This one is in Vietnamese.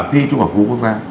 thi trung học hữu quốc gia